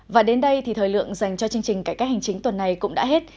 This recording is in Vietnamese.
và đến đây thì thời lượng dành cho chương trình cải cách hành chính tuần này cũng đã hết